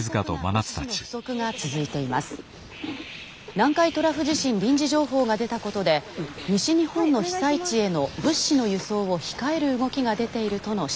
南海トラフ地震臨時情報が出たことで西日本の被災地への物資の輸送を控える動きが出ているとの指摘もあります」。